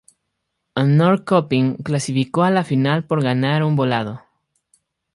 Norrköping clasificó a la Final por ganar un volado.